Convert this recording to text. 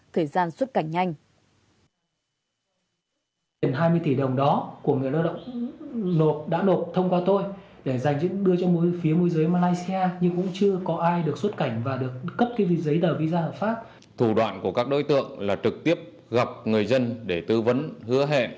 thời gian xuất cảnh nhanh